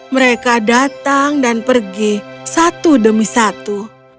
mereka datang dan pergi satu demi satu